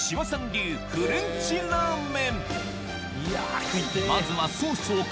流フレンチラーメン